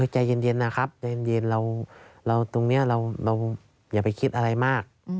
ใจเย็นนะครับใจเย็นตรงนี้เราอย่าไปคิดอะไรมาก